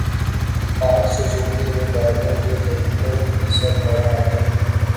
پاک سوزوکی نے گاڑیوں کی قیمتیں فیصد بڑھا دیں